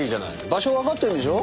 場所わかってんでしょ？